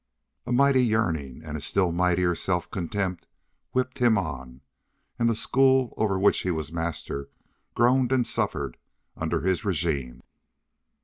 A mighty yearning, and a still mightier self contempt whipped him on, and the school over which he was master groaned and suffered under his régime.